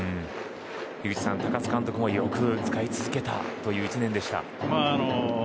井口さん、高津監督もよく使い続けた１年でした。